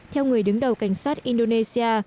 theo người đứng đầu cảnh sát indonesia